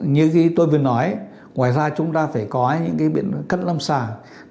như tôi vừa nói ngoài ra chúng ta phải có những cái biện cất lâm sàng